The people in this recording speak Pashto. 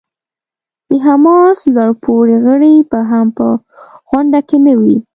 د حماس لوړ پوړي غړي به هم په غونډه کې نه وي.